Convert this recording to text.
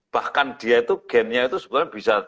bahkan dia itu gennya itu sebenarnya bisa